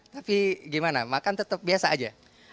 tapi gimana makan tetap biasa aja